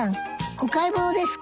お買い物ですか？